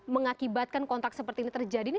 mengakibatkan kontak seperti ini terjadi ini